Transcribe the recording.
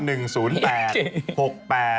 อ๋อเข้ามาแล้ว